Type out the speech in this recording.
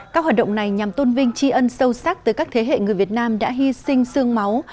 các hoạt động này nhằm tôn vinh tri ân sâu sắc tới các thế hệ người việt nam đã hy sinh sương máu